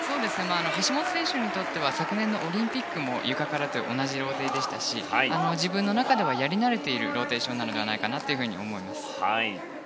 橋本選手にとっては昨年のオリンピックもゆかからという同じ工程でしたし自分の中ではやり慣れているローテーションかなと思います。